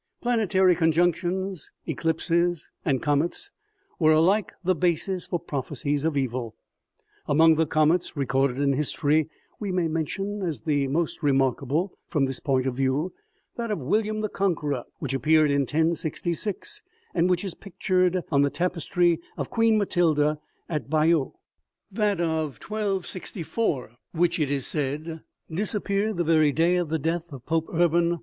Planetary conjunctions, eclipses and comets were alike the basis for prophecies of evil. Among the comets re corded in history we may mention, as the most remarkable from this point of view, that of William the Conqueror, which appeared in 1066, and which is pictured on the tapestry of Queen Matilda, at Bayeux ; that of 1264, which, OMEGA . 149 it is said, disappeared the very day of the death of Pope Urban iv.